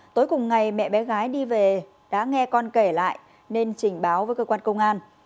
tối cùng ngày mẹ bé gái đi về đã nghe con kể lại nên trình báo với cơ quan công an